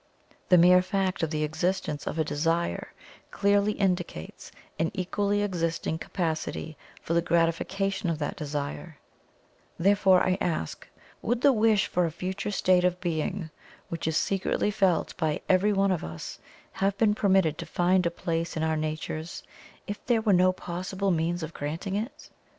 The mere fact of the EXISTENCE OF A DESIRE clearly indicates an EQUALLY EXISTING CAPACITY for the GRATIFICATION of that desire; therefore, I ask, would the WISH for a future state of being, which is secretly felt by every one of us, have been permitted to find a place in our natures, IF THERE WERE NO POSSIBLE MEANS OF GRANTING IT?